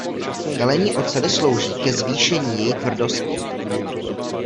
Kalení oceli slouží ke zvýšení její tvrdosti.